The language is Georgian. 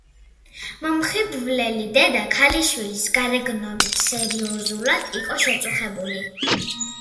მომხიბვლელი დედა ქალიშვილის გარეგნობით სერიოზულად იყო შეწუხებული.